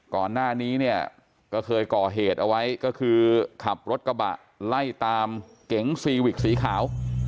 ก่อนหน้านี้เนี่ยก็เคยก่อเหตุเอาไว้ก็คือขับรถกระบะไล่ตามเก๋งซีวิกสีขาว